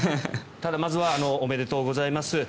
ただ、まずはおめでとうございます。